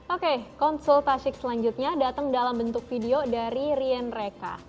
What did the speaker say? oke konsul tasik selanjutnya datang dalam bentuk video dari rien reka